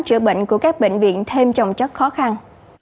chữa bệnh của các bệnh viện thêm trồng chất khó khăn